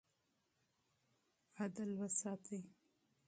عدل وساتئ.